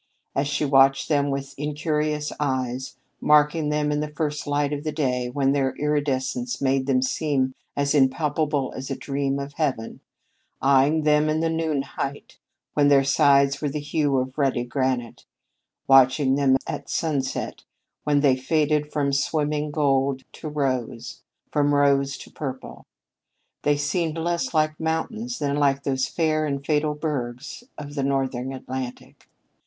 As she watched them with incurious eyes, marking them in the first light of the day, when their iridescence made them seem as impalpable as a dream of heaven; eyeing them in the noon height, when their sides were the hue of ruddy granite; watching them at sunset when they faded from swimming gold to rose, from rose to purple, they seemed less like mountains than like those fair and fatal bergs of the Northern Atlantic.